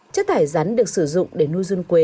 chất thải rắn được sử dụng để nuôi run quế